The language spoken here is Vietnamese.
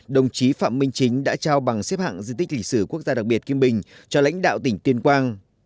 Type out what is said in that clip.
đồng chí phạm minh chính đã trao bằng xếp hạng di tích lịch sử quốc gia đặc biệt kim bình cho lãnh đạo tỉnh tuyên quang